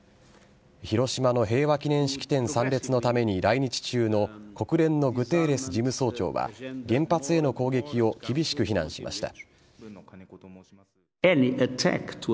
広島の平和記念式典参列のために来日中の国連のグテーレス事務総長は、原発への攻撃を厳しく非難しました。